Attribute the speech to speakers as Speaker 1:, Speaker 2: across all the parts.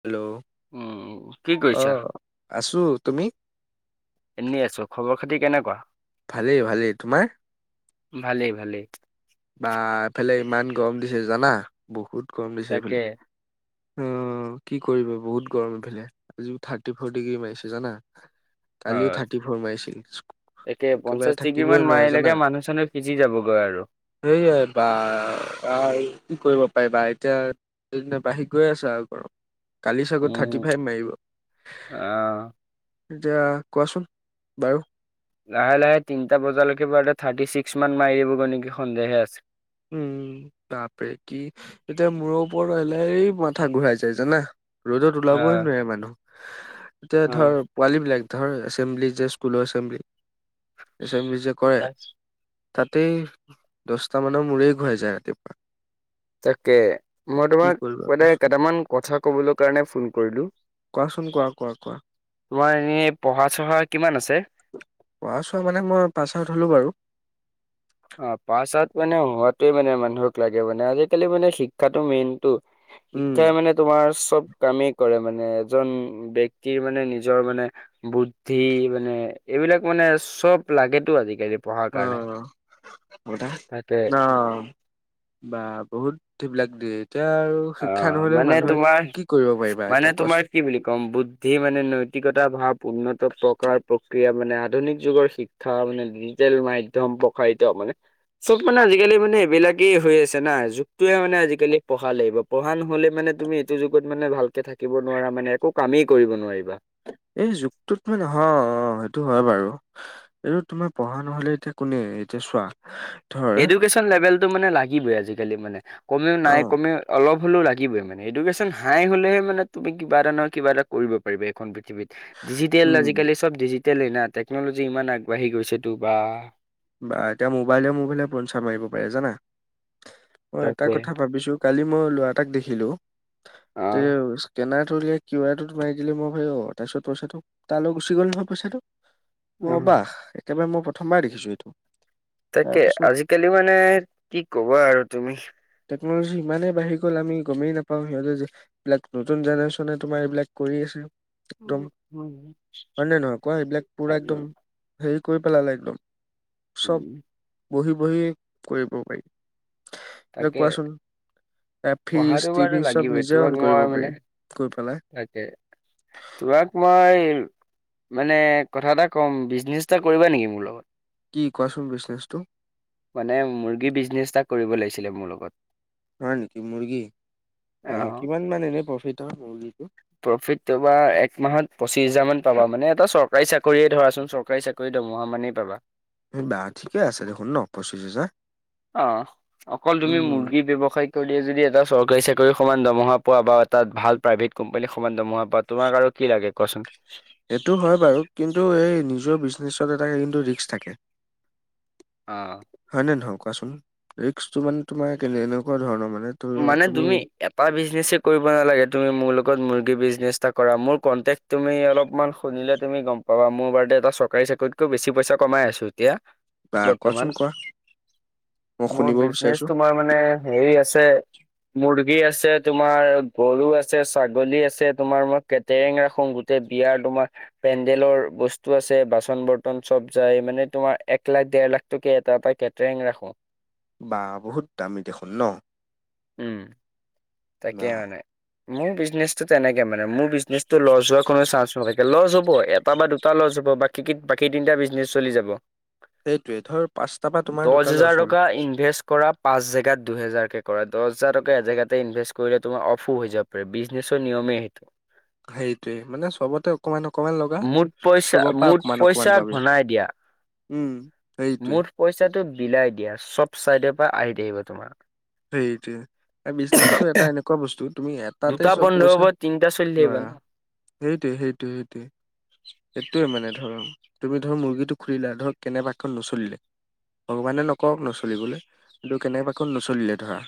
Speaker 1: Hello
Speaker 2: উম, কি কৰিছা?
Speaker 1: অঁ আছোঁ, তুমি?
Speaker 2: এনে আছো, খবৰ খাতি কেনেকুৱা?
Speaker 1: ভালেই ভালেই, তোমাৰ?
Speaker 2: ভালেই ভালেই।
Speaker 1: বা এইফালে ইমান গৰম দিছে জানা বহুত গৰম দিছে
Speaker 2: তাকে
Speaker 1: এইফালে। অঁ কি কৰিব বহুত গৰম এইফালে আজি থাৰ্টি ফ'ৰ ডিগ্ৰী মাৰিছে জানা। কালিও
Speaker 2: হয়,
Speaker 1: থাৰ্টি ফৰ মাৰিছিল,
Speaker 2: তাকে পঞ্চাশ
Speaker 1: একেবাৰে
Speaker 2: ডিগ্ৰী মান
Speaker 1: থাকিবই নোৱাৰে
Speaker 2: মাৰিলেকে
Speaker 1: জানা।
Speaker 2: মানুহ চানুহ সিজি যাবগৈ আৰু।
Speaker 1: সেয়াই বা আৰু কি কৰিব পাৰিবা এতিয়া- দিনেদিনে বাঢ়ি গৈ আছে আৰু গৰম। কালি চাগৈ
Speaker 2: উম,
Speaker 1: থাৰ্টি ফাইভ মাৰিব।
Speaker 2: আহ
Speaker 1: এতিয়া কোৱাচোন বাৰু।
Speaker 2: লাহে লাহে তিনিটা বজালৈকে বাৰু থাৰ্টি ছিক্স মান মাৰি দিবগৈ নেকি সন্দেহে আছে।
Speaker 1: উম' বাপৰে কি এতিয়া মূৰৰ ওপৰত আহিলেই মাথা ঘূৰাই যায় জানা। ৰ'দত ওলাবই
Speaker 2: হয়,
Speaker 1: নোৱাৰে মানুহ। এতিয়া ধৰ
Speaker 2: হয়।
Speaker 1: পোৱালী বিলাক ধৰ, এচেম্বলি যে স্কুলৰ এচেম্বলি এচেম্বলি যে- কৰে
Speaker 2: তাক-
Speaker 1: তাতেই দচটামানৰ মূৰেই ঘূৰাই যায় ৰাতিপুৱা।
Speaker 2: তাকে মই
Speaker 1: কি
Speaker 2: তোমাক
Speaker 1: কৰিবা
Speaker 2: মানে
Speaker 1: কোৱাচোন।
Speaker 2: কেটামান কথা ক'বলৈ কাৰণে ফোন কৰিলো
Speaker 1: কোৱাচোন কোৱা সকলো কোৱা।
Speaker 2: তোমাৰ এনেই পঢ়া-চহা কিমান আছে?
Speaker 1: পঢ়া-চহা মানে মই পাছ আউট হ'লো বাৰু।
Speaker 2: অ পাছ আউট মানে হোৱাটোৱেই মানে মানুহক লাগে মানে আজিকালি মানে শিক্ষাটো মেইনটো।
Speaker 1: উম
Speaker 2: শিক্ষাই মানে তোমাৰ চব কামেই কৰে মানে এজন ব্যক্তিৰ মানে নিজৰ মানে বুদ্ধি মানে এইবিলাক মানে চব লাগেটো আজিকালি। পঢ়াৰ
Speaker 1: অ।
Speaker 2: কাৰণে
Speaker 1: দা
Speaker 2: তাকে
Speaker 1: অ বা বহুত সেইবিলাক দিয়ে এতিয়া আৰু
Speaker 2: অ,
Speaker 1: শিক্ষা নহ'লে
Speaker 2: মানে
Speaker 1: মানুহে
Speaker 2: তোমাৰ
Speaker 1: কি কৰিব পাৰিবা
Speaker 2: মানে
Speaker 1: এতিয়া
Speaker 2: তোমাৰ
Speaker 1: কোৱাচোন
Speaker 2: কি বুলি ক'ম বুদ্ধ বুদ্ধি মানে নৈতিকতা ভাৱ উন্নত প্ৰকাৰৰ প্ৰক্ৰিয়া মানে আধুনিক যুগৰ শি শিক্ষা মানে ডিজিটেল মাধ্যয়ম প্ৰসাৰিত মানে। চব মানে আজিকালি মানে এইবিলাকেই হৈ আছে না যুগটোৱে মানে আজিকালি পঢ়া লাগিব। পঢ়া নহ'লে মানে তুমি এইটো যুগত মানে ভালকে থাকিব নোৱাৰা মানে একো কামেই কৰিব নোৱাৰিবা।
Speaker 1: এই যুগটোত মানে অ সেইটো হয় বাৰু। এইটো তোমাৰ পঢ়া নহ'লে এতিয়া কোনে এতিয়া চোৱা ধৰ
Speaker 2: এডুকেচন লেভেলটো মানে লাগিবই আজিকালি মানে কমেও নাই
Speaker 1: অ'
Speaker 2: কমেও অলপ হ'লেও লাগিবই মানে এডুকেশ্যন হাই হ'লেহে মানে তুমি কিবা এটা নহয় কিবা এটা কৰিব পাৰা এইখন পৃথিৱীত। ডিজিটেল আজিকালি
Speaker 1: উম
Speaker 2: চব ডিজিটেলেই না টেকনলজি ইমান আগবাঢ়ি গৈছেটো বা!
Speaker 1: বা এতিয়া মোবাইলে মোবাইলে প্ৰঞ্চা মাৰিব পাৰে জানা মই এটা
Speaker 2: তাকে
Speaker 1: কথা ভাবিছো কালি মই ল'ৰা এটাক দেখিলো
Speaker 2: অ
Speaker 1: তে স্কেনাৰটো উলিয়াই কিউ আৰটোত মাৰি দিলে মই হৈ যাব তাৰ পিছত পইচাটো তালৈ গুচি গ'ল নহয় পইচাটো মই
Speaker 2: উ
Speaker 1: অ'বাহ একেবাৰে মই প্ৰথমবাৰ দেখিছো এইটো।
Speaker 2: তাকে
Speaker 1: তাৰপিছত
Speaker 2: আজিকালি মানে কি ক'বা আৰু তুমি।
Speaker 1: টেকন'লজি ইমানেই বাঢ়ি গ'ল আমি গমেই নাপাওঁ সিহঁতে যে এইবিলাক নতুন জেনেৰেশ্যনে তোমাৰ এইবিলাক কৰি আছে। একদম হয় নে নহয় কোৱা এইবিলাক পুৰা একদম হেৰি কৰি পেলালে একদম। চব বঢ়ি বঢ়ি কৰিব পাৰি এতিয়া
Speaker 2: তাকে
Speaker 1: কোৱাচোন এ ফ্ৰিজ,
Speaker 2: পঢ়াটো বাৰু
Speaker 1: টিভি চব
Speaker 2: লাগিবই
Speaker 1: নিজে
Speaker 2: তোমাক
Speaker 1: অন
Speaker 2: মই
Speaker 1: কৰিব
Speaker 2: মানে
Speaker 1: পাৰি গৈ পেলাই।
Speaker 2: তাকে তোমাক মই মানে কথা এটা ক'ম বিজনেছ এটা কৰিবা নিকি মোৰ লগত?
Speaker 1: কি কোৱাচোন বিজনেছটো?
Speaker 2: মানে মুৰ্গী বিজনেচ এটা কৰিব লাগিছিলে মোৰ লগত।
Speaker 1: হয় নিকি মুৰ্গী। আ
Speaker 2: অ',
Speaker 1: কিমান মান এনে প্ৰফিট হয় মুৰ্গীটোত?
Speaker 2: প্ৰফিট তোমাৰ একমাহত পঁচিশ হাজাৰ মান পাবা মানে এটা চৰকাৰী চাকৰিয়ে ধৰাচোন চোন চৰকাৰী চাকৰি দৰমহা মানেই পাবা।
Speaker 1: এই বা ঠিকে আছে দেখোন ন পঁচিছ হাজাৰ?
Speaker 2: অ, অকল তুমি
Speaker 1: উম
Speaker 2: মুৰ্গী ব্যৱসায় কৰিয়ে যদি এটা চৰকাৰী চাকৰিৰ সমান দৰমহা পোৱা বা এটা ভাল প্ৰাইভেট কোম্পানীৰ সমান দৰমহা পোৱা তোমাক আৰু কি লাগে কোৱাচোন?
Speaker 1: সেইটো হয় বাৰু কিন্তু এই নিজৰ বিজনেছত এটা কিন্তু ৰিস্ক থাকে।
Speaker 2: অ।
Speaker 1: হয় নে নহয় কোৱাচোন ৰিক্সটো মানে তোমাৰ কেনে এনেকুৱা ধৰণৰ মানে
Speaker 2: মানে তুমি এটা বিজনেছে কৰিবা লাগে, তুমি মোৰ লগত মুৰ্গী বিজনেচ এটা কৰা। মোৰ কনটেক্ট তুমি অলপমান শুনিলে তুমি গম পাবা মোৰ বাৰে এটা চৰকাৰী চাকৰিতকৈ বেছি পইচা কমাই আছো, এতিয়া।
Speaker 1: বা
Speaker 2: বৰ্তমান
Speaker 1: কোৱাচোন কোৱা মই
Speaker 2: মোৰ
Speaker 1: শুনিব
Speaker 2: বিজনেছ
Speaker 1: বিচাৰিছো
Speaker 2: তোমাৰ মানে হেৰি আছে মুৰ্গী আছে তোমাৰ গৰু আছে, ছাগলী আছে তোমাৰ মই কে টৰেং ৰাখো গোটেই বিয়াৰ তোমাৰ পেণ্ডেলৰ বস্তু আছে বাচন বৰ্তন চব যাই, মানে তোমাৰ এক লাখ, দেৰ লাখ টকাকে এটা, এটা কেটাৰিং ৰাখো।
Speaker 1: বা বহুত দামী দেখোন ন।
Speaker 2: উম।
Speaker 1: বা
Speaker 2: তাকে মানে মোৰ বিজনেছটো তেনেকে মানে, মোৰ বিজনেছ লছ হোৱা কোনো চান নাই। লছ হ'ব, এটা বা দুটা লছ হ'ব বাকী, বাকী তিনিটা বিজনেছ চলি যাব।
Speaker 1: সেইটোৱে ধৰ পাঁচটা বা তোমাৰ
Speaker 2: দহ
Speaker 1: দুটা লছ
Speaker 2: হাজাৰ
Speaker 1: হ'ল
Speaker 2: টকা ইনভেষ্ট কৰা পাঁচ জেগাত দুহেজাৰকে কৰা দহ হাজাৰ টকা এজেগাত ইনভেষ্ট কৰিলে তোমাৰ অফো হৈ যাব পাৰে, বিজনেছৰ নিয়মেটো সেইটো।
Speaker 1: সেইটোৱে মানে চবতে অকমান অকমান লগা,
Speaker 2: মুঠ পইচা
Speaker 1: চবৰ পৰা
Speaker 2: মুঠ
Speaker 1: অকমান
Speaker 2: পইচা
Speaker 1: অকমান পাবি।
Speaker 2: ঘনাই দিয়া
Speaker 1: উম। সেইটোৱে।
Speaker 2: মুঠ পইচাটো বিলাই দিয়া চব চাইডৰ পৰা আহি থাকিব তোমাৰ।
Speaker 1: সেইটোৱে বিজনেছটো এটা এনেকুৱা বস্তু তুমি এটাতে
Speaker 2: দুটা
Speaker 1: চব
Speaker 2: বন্ধ
Speaker 1: পইচা
Speaker 2: হ'ব চলি তিনিটা থাকিব ন।
Speaker 1: লৰা সেইটোৱে, সেইটোৱে, সেইটোৱে। সেইটোৱে মানে ধৰ তুমি ধৰ মুৰ্গীটো খুলিলা ধৰক কেনেবাকে নচলিলে ভগৱানে নকৰক নচলিবলৈ, কিন্তু কেনেবাকে নচলিলে ধৰা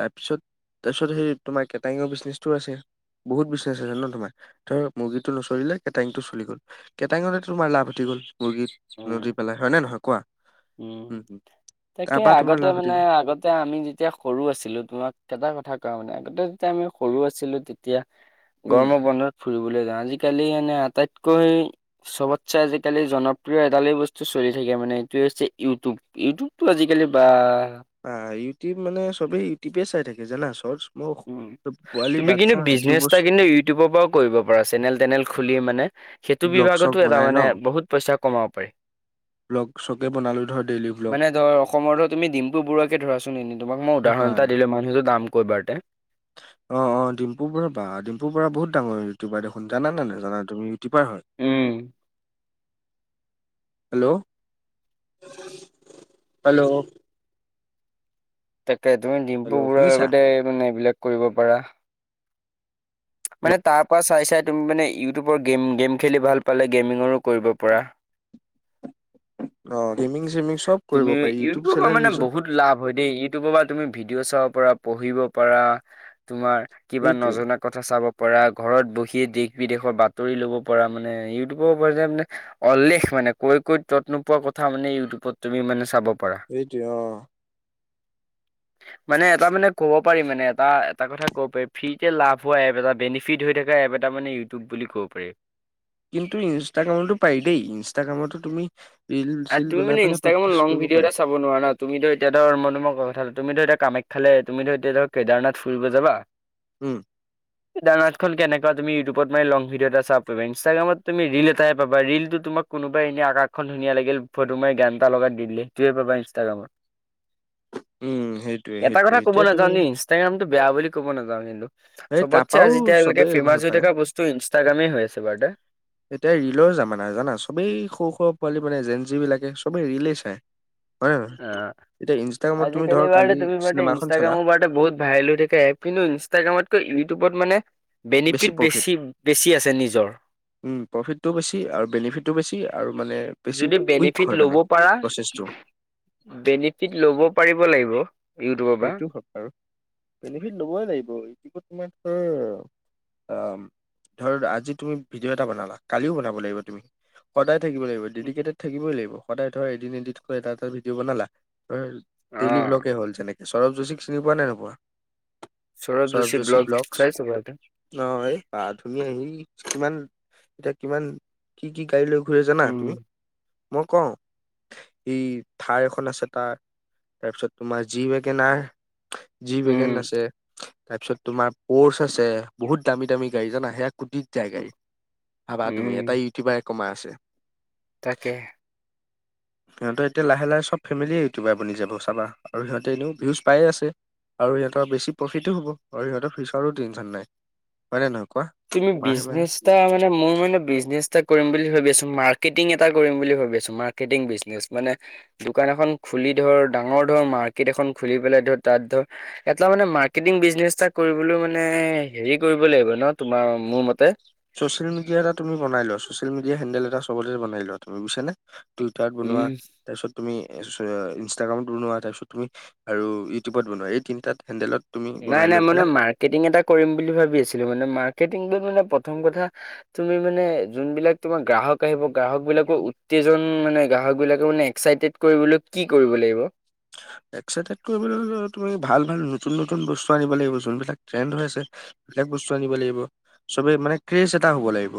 Speaker 1: তাৰপিছত, তাৰপিছত সেই তোমাৰ কেটাৰিংৰ বিজনেছটো আছে। বহুত বিজনেছ আছে ন তোমাৰ ধৰ মুৰ্গীটো নচলিলে, কেটাৰিং টো চলি গ'ল। কেটাৰিঙতে তোমাৰ লাভ উঠি গ'ল মুৰ্গীত
Speaker 2: উম
Speaker 1: নদী পেলাই হয় নে নহয় কোৱা?
Speaker 2: উম। তাকে
Speaker 1: তাৰপা তোমাৰ
Speaker 2: আগতে
Speaker 1: লাভ উঠি
Speaker 2: মানে
Speaker 1: গ'ল
Speaker 2: আগতে আমি যেতিয়া সৰু আছিলো তোমাক এটা কথা কোৱা মানে আগতে যেতিয়া আমি সৰু আছিলো, তেতিয়া
Speaker 1: উম
Speaker 2: গৰমৰ বন্ধত ফুৰিবলৈ যাওঁ আজিকালি এনে আটাইতকৈ ছবতকে আজিকালি জনপ্ৰিয় এডালেই বস্তু চলি থাকে মানে সেইটো হৈছে ইউটিউব। ইউটিউবটো আজিকালি বাহ
Speaker 1: বাহ, ইউটিউব মানে চবে ইউটিউবে চাই থাকে জানা
Speaker 2: উম
Speaker 1: [inaudible]
Speaker 2: তুমি কিন্তু
Speaker 1: বাচ্ছা
Speaker 2: বিজনেছ এটা
Speaker 1: দুবছৰ
Speaker 2: কিন্তু ইউটিউবৰ পৰাও কৰিব পাৰা চেনেল-তেনেল খুলি মানে। সেইটো
Speaker 1: ব্লগ চগ
Speaker 2: বিভাগতো এটা
Speaker 1: বনাই
Speaker 2: মানে বহুত পইচা কমাব পাৰি।
Speaker 1: ব্লক শ্লকে বনালো ধৰ ডেইলী ভ
Speaker 2: মানে ধৰ অসমৰ ধৰ তুমি ডিম্পু বৰুৱাকে ধৰাচোন এনে তোমাক মই
Speaker 1: বা
Speaker 2: উদাহৰণ এটা দিলো মানুহটো দাম কৈ বাৰতে
Speaker 1: অ', অ' ডিম্পুৰ পৰা বা ডিম্পু বৰুৱা বহুত ডাঙৰ ইউটিউবাৰ দেখোন জানানে নাজানা তুমি? ইউটিউবাৰ হয়।
Speaker 2: উম
Speaker 1: হেল্ল'! হেল্ল'?
Speaker 2: তাকে তুমি ডিম্পু
Speaker 1: হেল্ল'
Speaker 2: বৰুৱাৰ
Speaker 1: শুনিছা
Speaker 2: লগতে মানে এইবিলাক কৰিব পাৰা। মানে তাৰ পৰা চাই চাই তুমি মানে ইউটিউবৰ গেম, গেম খেলি ভাল পালে গেমিঙৰো কৰিব পাৰা।
Speaker 1: অ' গেমিং চেমিং চব
Speaker 2: তুমি
Speaker 1: কৰিব পাৰি ইউটিউব
Speaker 2: ইউটিউবৰ পৰা
Speaker 1: চেনেল
Speaker 2: মানে
Speaker 1: নিজৰ
Speaker 2: বহুত লাভ হয় দেই, ইউটিউবৰ পৰা তুমি ভিডিঅ' চাব পাৰা পঢ়িব পাৰা, তোমাৰ কিবা
Speaker 1: সেইটোৱে
Speaker 2: নজনা কথা চাব পৰা ঘৰত বহিয়ে দেশ বিদেশৰ বাতৰি ল'ব পৰা মানে ইউটিউবৰ ওপৰত যে মানে অল্লেখ মানে কৈ কৈ তত নোপোৱা কথা মানে ইউটিউবত তুমি মানে চাব পাৰা
Speaker 1: সেইটোৱে অ
Speaker 2: উ মানে এটা মানে ক'ব পাৰি মানে এটা এটা কথা ক'ব পাৰি ফ্ৰীতে লাভ হোৱা এপ এটা বেনিফিট হৈ থকা এপ এটা মানে বুলি ক'ব পাৰি।
Speaker 1: কিন্তু ইনষ্টাগ্ৰামতো পাৰি দেই ইনষ্টাগ্ৰামতো তুমি ৰিল চিল বনাই পেলাই প্ৰাক্টিচ কৰিব পাৰি।
Speaker 2: নোৱাৰ ন তুমিতো এতিয়া ধৰ মই তুমি কথাটো তুমি ধো এতি কামাখ্যালে তুমি ধ এতিয়া ধক কেদাৰনাথ ফুৰিব যাবা। [inaudible]
Speaker 1: উম
Speaker 2: [inaudible] ইন্টাৰনেট খন কেনেকুৱা তুমি ইউিউবত মানে লং ভিডিঅ এটা চাবা ইনষ্টাগ্ৰামত তুমি ৰিল এটাহে পাবা ৰিলতো তোমাক কোনোবাই এনে আকাশখন ধুনীয়া লাগিল ফটো মাৰ গান এটা লগত দি দিলে তয়ে পাবা ইনষ্টাগ্ৰামত
Speaker 1: উম সেইটোয়ে
Speaker 2: এটা
Speaker 1: সেইটোয়ে
Speaker 2: কথা কব
Speaker 1: এতিয়া
Speaker 2: নাযাও
Speaker 1: তুমি
Speaker 2: যে ইনষ্টাগ্ৰামতটো বেয়া বুলি কব নাযাও কিন্তু
Speaker 1: সেই
Speaker 2: চবতছে
Speaker 1: তাৰপাও
Speaker 2: আজিতিয়ালৈকে
Speaker 1: চবেই ভাল
Speaker 2: ফেমাছ হৈ
Speaker 1: পায়।
Speaker 2: থকা বস্তু ইনষ্টাগ্ৰামে হৈ আছে বাৰু দো
Speaker 1: এতিয়া ৰিলৰ জামানা জানা চবেই সৰু সৰু পোৱালি মানে এজেঞ্চি বিলাকে সবেই ৰিলে চায়। হয় ন ন
Speaker 2: অ
Speaker 1: নহয় এতিয়া ইনষ্টাগ্ৰামত তুমি
Speaker 2: আজিকালি
Speaker 1: ধ
Speaker 2: বাৰু
Speaker 1: কালি
Speaker 2: তুমি বাৰু
Speaker 1: চিনেমা এখন চালা
Speaker 2: ইনষ্টাগ্ৰামৰ বাৰু বহুত ভাইৰেল হৈ থাকে এপ কিন্তু ইনষ্টাগ্ৰামতকৈ ইউটিউবত মানে বেনিফিট বেছি বেছি আছে নিজৰ
Speaker 1: প্ৰফিটটো বেছি আৰু বেনিফিটটো বেছি আৰু মানে বেছি
Speaker 2: যদি
Speaker 1: কুইক
Speaker 2: বেনিফিট
Speaker 1: হয়
Speaker 2: ল'ব
Speaker 1: মানে
Speaker 2: পাৰা
Speaker 1: প্ৰচেছটো
Speaker 2: বেনিফিট ল'ব পাৰিব লাগিব। ইউটিউবৰ পৰা
Speaker 1: সেইটো হক আৰু বেনিফিট লবই লাগিব এটো তোমাৰ ধৰ অ ধৰ আজি তুমি ভিডিঅ' এটা বনালা কালিও বনাব লাগিব তুমি সদায় থাকিব লাগি ডেডিকেটেড থাকিবই লাগিব সদায় ধৰ এদিন এড এটা এটা ভিডিঅ' বনালা।
Speaker 2: অ
Speaker 1: ডেইলী ব্লগে হ'ল যেনেকে সৌৰভ যোশীক চিনি পোৱা নে নোপোৱা?
Speaker 2: চৌৰভ যোশী ব্লগ চাইছোঁ বৰুতে।
Speaker 1: অ', এই বা ধুনীয়া আহি কিমান এতিয়া কিমান কি কি গাড়ী লৈ ঘূৰে জানা
Speaker 2: উম
Speaker 1: তুমি মই কওঁ। এই থাৰ এখন আছে তাৰ তাৰপিছত তোমাৰ যি যি ৱেগেন
Speaker 2: উম
Speaker 1: আছে। তাৰ পিছত তোমাৰ প'ৰ্চ আছে বহুত দামী দামী গাড়ী জানা সে কুতিত জাই গাড়ী ভাবা তুমি এটা
Speaker 2: উম
Speaker 1: ইউটিউবাৰে কমাই আছে।
Speaker 2: তাকে।
Speaker 1: সিহঁতৰ এতিয়া লাহে লাহে চব ফেমিলিয়ে ইউটোবাৰ বনি যাব চাবা আৰু সিঁহতে এনেও ভিউজ পায়ে আছে আৰু সিহঁতৰ বেছি প্ৰফিটো হ'ব আৰু সিহঁতৰ ফিউচাৰো টেনশন নাই হয় নে নহয় কোৱা?
Speaker 2: তুমি
Speaker 1: মাহে মাহে।
Speaker 2: বিজনেছ এটা মানে মোৰ মানে বিজনেছ এটা কৰিম বুলি ভাবি আছো মাৰ্কেটিং এটা কৰিম বুলি ভাবি আছো। মাৰ্কেটিং বিজনেছ মানে দোকান এখন খুলি ধৰ ডাঙৰ ধৰ মাৰ্কেট এখন খুলি পেলাই ধৰ তাত ধৰ এটা মানে মাৰ্কেটিং বিজনেচ এটা কৰিবলৈ মানে হেৰি কৰিব লাগিব ন তোমাৰ মোৰ মতে
Speaker 1: ছচিয়েল মিডিয়া এটা তুমি বনাই লোৱা ছচিয়েল মিডিয়া হেণ্ডেলত এটাব চবতে বনাই লোৱা তুমি বুজিছানে। টুইটাৰত বনোৱা
Speaker 2: উম
Speaker 1: তাৰ পিছত তুমি ইনষ্টাগ্ৰামত বনোৱা তাৰপিছত তুমি আৰু ইউটিউবত বনোৱা এই তিনিটা হেণ্ডেলত তুমি
Speaker 2: নাই
Speaker 1: বনাই
Speaker 2: নাই,
Speaker 1: লৈ
Speaker 2: মানে
Speaker 1: পেলাই
Speaker 2: মাৰ্কেটিং এটা কৰিম বুলি ভাবি আছিলো, মানে মাৰ্কেটিংটোত মানে প্ৰথম কথা তুমি মানে যোনবিলাক তোমাৰ গ্ৰাহক আহিব, গ্ৰাহক বিলাকৰ উত্তেজন মানে, গ্ৰাহক বিলাকে মানে এক্সাইটেদ কৰিবলৈ কি কৰিব লাগিব?
Speaker 1: এক্সাইটেড কৰিবলে হলে তুমি ভাল ভাল নতুন নতুন বস্তু আনিব লাগিব, যোনবিলাক ট্ৰেণ্ড হৈ আছে। সেইবিলাক বস্তু আনিব লাগিব, চবেই মানে ক্ৰেজ এটা হব লাগিব,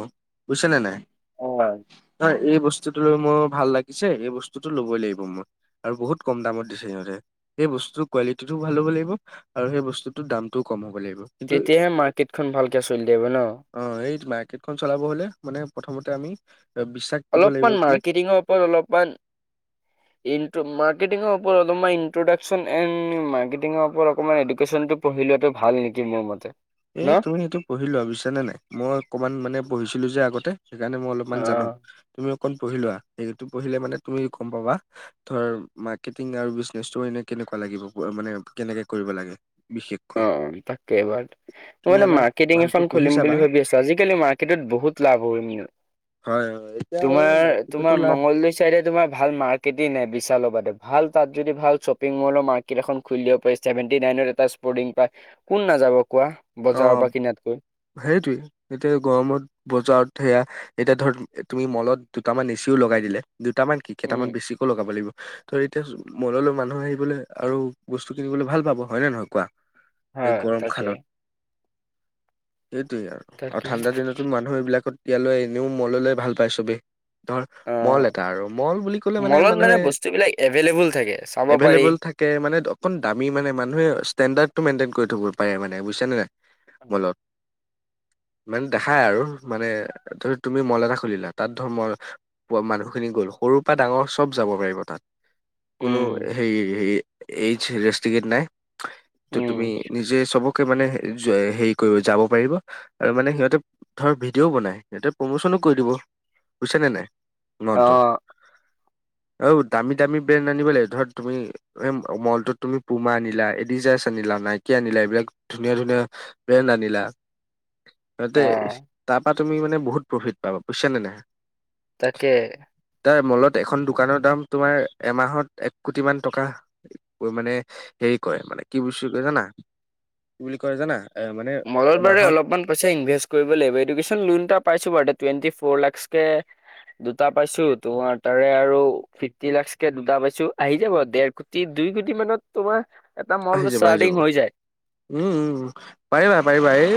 Speaker 1: বুজিছা নে নাই?
Speaker 2: অ'।
Speaker 1: ধৰ এই বস্তুটো মোৰ ভাল লাগিছে, এই বস্তুটো ল'বই লাগিব মই আৰু বহুত কম দামত দিছে সিহঁতে, সেই বস্তুটোৰ কোৱালিটিটোও ভাল হ'ব লাগিব আৰু সেই বস্তুতৰ দামতটোও কম হ'ব লাগিব। কিন্তু
Speaker 2: তেতিয়াহে মাৰ্কেটখন ভালকে চলি থাকিব ন'?
Speaker 1: অ', এইটো, মাৰ্কেটখন চলাব হ'লে, মানে প্ৰথমতে আমি বিশ্বাস দিব লাগিব
Speaker 2: অলপমান
Speaker 1: কি
Speaker 2: মাৰ্কেটিঙৰ ওপৰত, অলপমান ইন্ত্ৰ, মাৰ্কেটিঙৰ ওপৰত অলপমান ইনট্ৰডাকশচন, এনড মাৰ্কেটিঙৰ ওপৰত অকণমান এডুকেশ্যনটো পঢ়ি লোৱাটো ভাল নেকি মোৰ মতে। ন
Speaker 1: এই তুমি সেইটো পঢ়ি লোৱাা বুজিছা নে নাই? মই অকমান মানে পঢ়িছিলো যে আগতে সেইকাৰণে মই অলপমান
Speaker 2: অ
Speaker 1: জানো, তুমি অকণ পঢ়ি লোৱা, সেইটো পঢ়িলে মানে তুমি গম পাবা। ধৰ, মাৰ্কেটিং আৰু বিজনেচটো এনে কেনেকুৱা লাগিব, মানে কেনেকে কৰিব লাগে, বিশেষ
Speaker 2: অ', তাকে বা মই মানে
Speaker 1: এবাৰ
Speaker 2: মাৰ্কেটিং
Speaker 1: ভালকৈ
Speaker 2: এখন
Speaker 1: পঢ়ি
Speaker 2: খুলিম
Speaker 1: চাবা
Speaker 2: বুলি ভাবি আছোঁ, আজিকালি মাৰ্কেটত বহুত লাভ হয় ন।
Speaker 1: হয়, হয়। আৰু
Speaker 2: তোমাৰ,
Speaker 1: মাৰ্কেটতো
Speaker 2: তোমাৰ
Speaker 1: লাভ
Speaker 2: মংগলদৈ চাইডে তোমাৰ ভাল মাৰ্ক কেটেই নাই বিশালৰ বাদে, ভাল তাত যদি ভাল শ্বপিং মলৰ মাৰ্কেট এখন খুল দিব পাৰি, ছেভেণ্টি নাইনত এটা স্পৰ্টিং পাই, কোন নাযাব কোৱা? বজাৰৰ
Speaker 1: অ',
Speaker 2: পৰা কিনাতকৈ
Speaker 1: সেইটোৱেই, এতিয়া গৰমত বজাৰত সেইয়া এতিয়া ধৰ, তুমি মলত দুটামান এচিও লগাই দিলে, দুটামান কি?
Speaker 2: উম
Speaker 1: কেইটামান বেছিকেওঁ লগাব লাগিব। ধৰ, এতিয়া মললৈ মানুহে আহিবলৈ আৰু বস্তু কিনিবলৈ ভাল পাব, হয় নে নহয় কোৱা?
Speaker 2: হয়
Speaker 1: এই গৰম
Speaker 2: তাকে
Speaker 1: খানত। এইটোৱেই আৰু, আৰু
Speaker 2: তাকে
Speaker 1: ঠাণ্ডা দিনতো মানুহ এইবিলাকত ইয়ালৈ আহিলেও এনেও মললে ভাল পায়, চবেই। ধৰ,
Speaker 2: অ
Speaker 1: মল এটা আৰু, মল বুলি ক'লে মানে
Speaker 2: মলত
Speaker 1: মানুহে,
Speaker 2: বস্তু বিলাক এভেইলেবল থাকে চাব পাৰি
Speaker 1: এভেইলেবল থাকে কে মানে, অকণ দামী মানে, মানুহে ষ্টেণ্ডাৰ্ড মেইনটেইন কৰি থ'ব পাৰে মানে, বুজিছেনে নাই? মলত।
Speaker 2: [inaudible]
Speaker 1: মানে দেখাই আৰু, মানে, ধৰি তুমি মল এটা খুলিলা, তাত ধৰ মই প মানুহখিনি গলোঁ, সৰুৰ পৰা ডাঙৰ চব যাব পাৰিব তাত। কোনো
Speaker 2: উম
Speaker 1: হেৰি হেৰি, এইজ ৰেষ্ট্ৰিকেত নাই, ত'
Speaker 2: উম
Speaker 1: তুমি নিজ যে, চবকে মানে হেৰি কৰিব, যাব পাৰিব, আৰু মানে সিহঁতে ধৰ ভিডিঅ'ও বনাই, তেতিয়া প্ৰমোচনো কৰি দিব, বুজিছে নে নাই, মলটোৰ।
Speaker 2: [inaudible]
Speaker 1: অ', দামী দামী ব্ৰেণ্ড আনিব লাগিব, ধৰ তুমি এই মলটোত তুমি পুমা আনিলা, এদিডাছ আনিলা, নাইকি আনিলা, এইবিলাক ধুনীয়া ধুনীয়া ব্ৰেণ্ড আনিলা,
Speaker 2: অ
Speaker 1: সিহঁতে তাৰপৰা তুমি মানে বহুত প্ৰফিট পাবা, বুজিছা নে নাই?
Speaker 2: তাকেহে।
Speaker 1: তাৰ মলত এখন দোকানৰ দাম তোমাৰ এমাহত এক কোটি মান টকা মানে হেৰি কৰে মানে, কি [unintelligible] কয় জানা? কি বুলি কয় জানা? এ মানে
Speaker 2: মঙ্লবাৰে
Speaker 1: মাহত
Speaker 2: অলপমান পইচা ইনভেষ্ট কৰিব লাগিব। এডুকেশ্বন লোন এটা পাইছোঁ বাৰু টুৱেন্টি ফৰ লাখছ কে দুটা পাইছোঁ তোমাৰ, তাৰে আৰু ফিফটি লাখছকে দুটা পাইছোঁ। আহি যাব দেৰ তিন দুই কোটি মানত তোমাৰ এটা মল
Speaker 1: আহি যাব আহি যাব
Speaker 2: ষ্টাৰ্টিং হৈ যায়।
Speaker 1: উম, উম, পাৰিবা-পাৰিবা। এই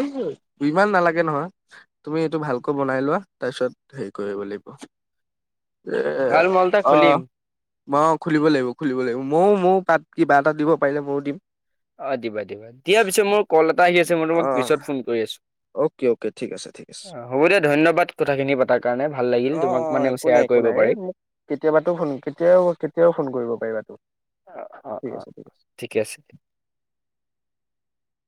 Speaker 1: ইমান নালাগে নহয়। তুমি এইটো ভালকৈ বনাই লোৱা, তাৰপিছত হেৰি কৰিব লাগিব। এ,
Speaker 2: ভাল মল এটা
Speaker 1: অহ।
Speaker 2: খুলিম
Speaker 1: অ' খুলিব লাগিব, খুলিব লাগিব। মইও, মইও তাত কিবা এটা দিব পাৰিলে, মইও দিম।
Speaker 2: অ, দিবা- দিবা। দিয়া পিছে মোৰ কল এটা আহি আছে। মই তোমাক
Speaker 1: অ
Speaker 2: পিছত ফোন কৰি আছোঁ।
Speaker 1: অ'কে অ'কে ঠিক আছে ঠিক আছে
Speaker 2: হ'ব দিয়া, ধন্যবাদ কথাখিনি পতাৰ কাৰণে। ভাল লাগিল
Speaker 1: অ
Speaker 2: তোমাক
Speaker 1: অ
Speaker 2: মানে
Speaker 1: একো
Speaker 2: শ্বেয়াৰ
Speaker 1: নাই একো
Speaker 2: কৰিব
Speaker 1: নাই এ
Speaker 2: পাৰি
Speaker 1: মোক কেতিয়াবাতো ফোন, কেতিয়াও কেতিয়াও ফোন কৰিব পাৰিবা।
Speaker 2: অ', অ',
Speaker 1: ঠিক
Speaker 2: অ',
Speaker 1: আছে, ঠিক আছে।
Speaker 2: ঠিকে আছে।